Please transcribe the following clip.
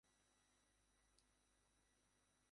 যেকোন বস্তুতে কার্যকারী মোট বল, বস্তুতে ত্বরণ ঘটায়।